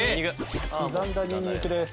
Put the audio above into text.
刻んだニンニクです。